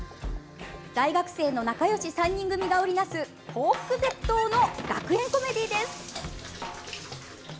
大学生の仲よし３人組が織り成す抱腹絶倒の学園コメディーです。